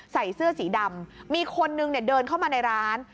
ใส่เสื้อสีดำมีคนนึงเนี่ยเดินเข้ามาในร้าน